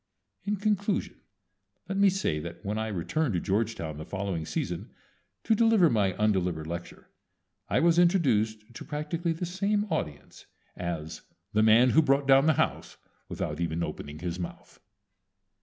In conclusion let me say that when I returned to Georgetown the following season to deliver my undelivered lecture I was introduced to practically the same audience as "the man who brought down the house without even opening his mouth."